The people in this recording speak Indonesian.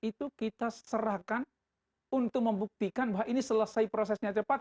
itu kita serahkan untuk membuktikan bahwa ini selesai prosesnya cepat